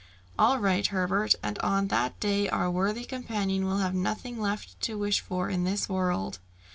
"All right, Herbert, and on that day our worthy companion will have nothing left to wish for in this world."